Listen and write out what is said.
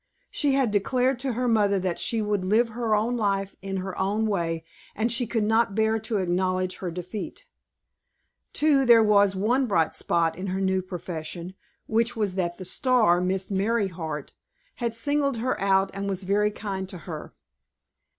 She had declared to her mother that she would live her own life in her own way, and she could not bear to acknowledge her defeat. Too, there was one bright spot in her new profession, which was that the star, Miss Merryheart, had singled her out and was very kind to her.